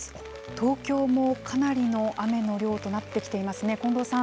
東京もかなりの雨の量となってきていますね、近藤さん。